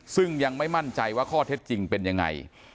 ซึ่งยังไม่มั่นใจว่าข้อเท็จจริงเป็นยังไง